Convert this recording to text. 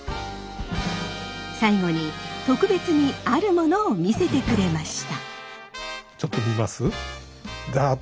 最後に特別にあるものを見せてくれました。